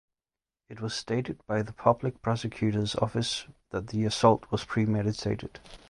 It was stated by the public prosecutors office that the assault was premeditated.